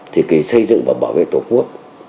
thời kỳ xây dựng và bảo vệ tổ quốc